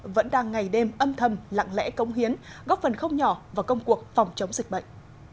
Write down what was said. vẫn đang ngày đêm âm thầm lặng lẽ công hiến góp phần không nhỏ vào công cuộc phòng chống dịch bệnh